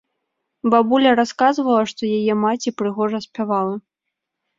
Бабуля расказвала, што яе маці прыгожа спявала.